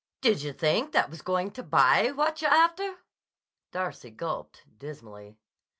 "Did yah think that was going to buy yah what yah'r after?" Darcy gulped dismally.